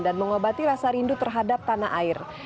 dan mengobati rasa rindu terhadap tanah air